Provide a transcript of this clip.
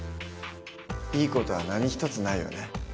いい事は何一つないよね。